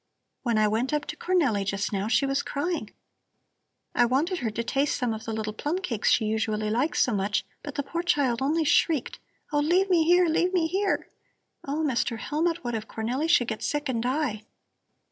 "When I went up to Cornelli just now she was crying. I wanted her to taste some of the little plum cakes she usually likes so much, but the poor child only shrieked: 'Oh, leave me here, leave me here!' Oh, Mr. Hellmut, what if Cornelli should get sick and die?"